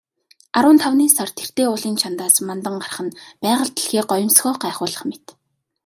Арван тавны сар тэртээ уулын чанадаас мандан гарах нь байгаль дэлхий гоёмсгоо гайхуулах мэт.